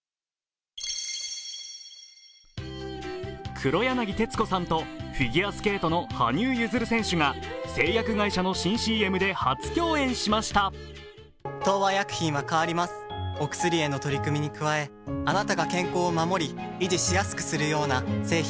黒柳徹子さんとフィギュアスケートの羽生結弦選手が製薬会社の新ＣＭで初共演しました。